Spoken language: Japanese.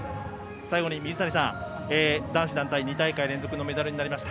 最後に水谷さん、男子団体２大会連続メダルになりました。